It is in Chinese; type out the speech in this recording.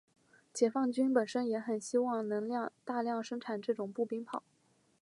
解放军本身也很希望能大量生产这种步兵炮。